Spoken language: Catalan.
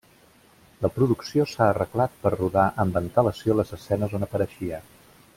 La producció s'ha arreglat per rodar amb antelació les escenes on apareixia.